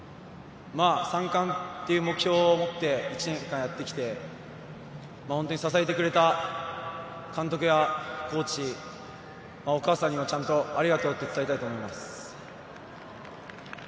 ３冠という目標を持って、１年間やってきて、支えてくれた監督やコーチ、お母さんにもちゃんと、ありがとうと伝えたいと思います。